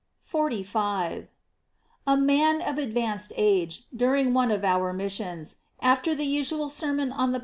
J 45. — A man of advanced age, during one of our missions, after the usual sermon on the pow * P.